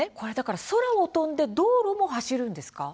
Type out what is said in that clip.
空も飛んで道路も走れるんですか？